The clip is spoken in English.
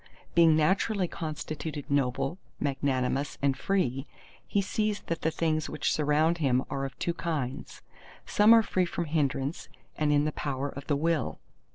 Being naturally constituted noble, magnanimous, and free, he sees that the things which surround him are of two kinds. Some are free from hindrance and in the power of the will.